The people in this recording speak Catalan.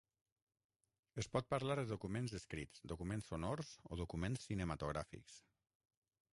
Es pot parlar de documents escrits, documents sonors, o documents cinematogràfics.